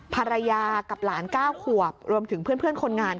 ภรรยากับหลาน๙ขวบรวมถึงเพื่อนคนงาน